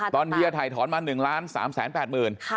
ตอนเฮียถ่ายถอนมา๑ล้าน๓แสน๘หมื่น